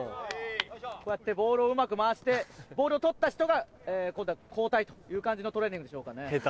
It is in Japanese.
こうやってボールをうまく回してボールを取った人が今度は交代という感じのトレーニングでしょうかね。